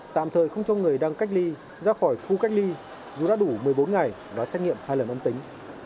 tạm thời không cho người đang cách ly ra khỏi khu cách ly dù đã đủ một mươi bốn ngày đã xét nghiệm hai lần âm tính